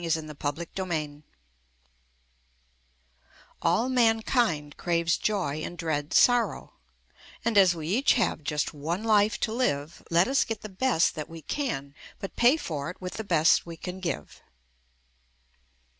W. [ix] JUST ME JUST ME All mankind craves joy and dreads sorrow, And as we each have just one life to live Let us get the best that we can — But pay for it with the best we can give.